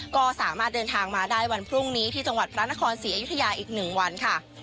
ก็สามารถเดินทางมาได้วันพรุ่งนี้ที่จังหวัดพระนครศรีอยุธยาอีก๑วันค่ะ